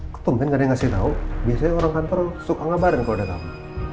ketempen gak ada yang ngasih tau biasanya orang kantor suka ngabarin kalo udah tau